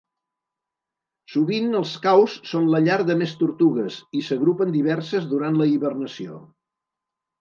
Sovint els caus són la llar de més tortugues, i s'agrupen diverses durant la hibernació.